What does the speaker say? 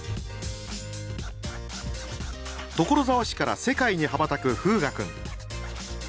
所沢市から世界に羽ばたく風雅君。